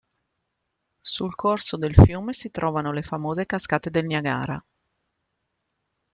Sul corso del fiume si trovano le famose cascate del Niagara.